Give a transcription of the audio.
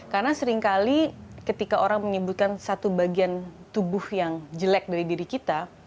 karena seringkali ketika orang menyebutkan satu bagian tubuh yang jelek dari diri kita